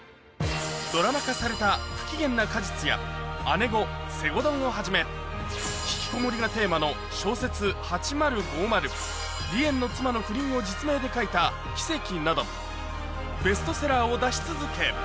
ドラマ化された不機嫌な果実や、ａｎｅｇｏ、西郷どんをはじめ、引きこもりがテーマの小説８０５０、梨園の妻の不倫を実名で書いた奇跡など、ベストセラーを出し続け。